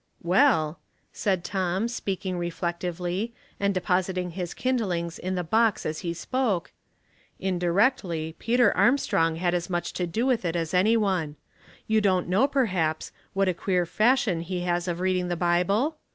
" Well," said Tom, speaking reflectively, and depositing his kindlings in the box as he spoke, " indirectly, Peter Armstrong had as much to do with it as any one. You don't know, perhaps, what a queer fashion he has of reading the Bible